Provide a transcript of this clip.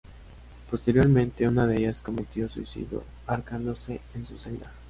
Posteriormente, una de ellas cometió suicidio ahorcándose en su celda.